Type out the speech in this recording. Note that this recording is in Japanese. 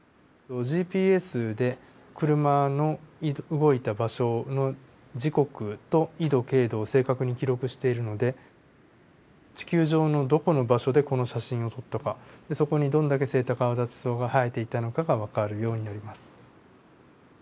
ＧＰＳで車の動いた場所の時刻と緯度経度を正確に記録しているので地球上のどこの場所でこの写真を撮ったかそこにどんだけセイタカアワダチソウが生えていたのかがわかるようになります。